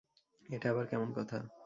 এটা আবার কেমন কথা!